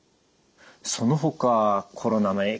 そのほかコロナの影響